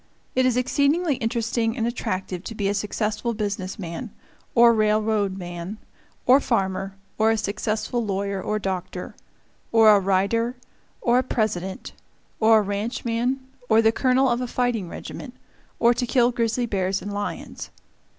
It is exceedingly interesting and attractive to be a successful business man, or railroad man, or farmer, or a successful lawyer or doctor; or a writer, or a President, or a ranchman, or the colonel of a fighting regiment, or to kill grizzly bears and lions.